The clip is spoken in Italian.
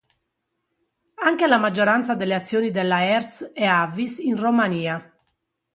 Anche la maggioranza delle azioni della Hertz e Avis in Romania.